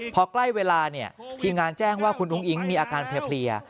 พอใกล้เวลาเนี่ยทีมงานแจ้งว่าคุณอุ้งอิ๊งมีอาการเพลีย